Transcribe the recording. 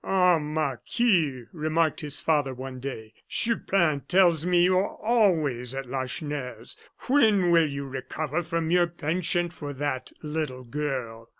"Ah! Marquis," remarked his father one day, "Chupin tells me you are always at Lacheneur's. When will you recover from your penchant for that little girl?"